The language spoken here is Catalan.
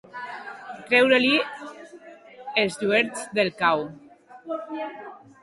Treure-li els lluerts del cau.